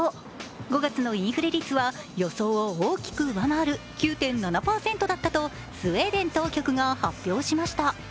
５月のインフレ率は予想を大きく上回る９．７％だったとスウェーデン当局が発表しました。